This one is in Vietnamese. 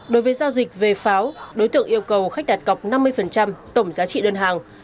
đối với giao dịch về pháo đối tượng yêu cầu khách đạt cọc năm mươi tổng giá trị đơn hàng